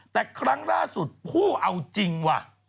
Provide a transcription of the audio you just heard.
แต่ครั้งล่าสุดผู้เอาจริงว่ะ